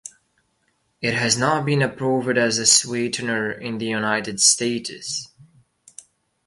It has not been approved as a sweetener in the United States.